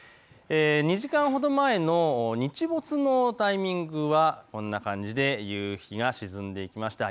２時間ほど前の日没のタイミングはこんな感じで夕日が沈んでいきました。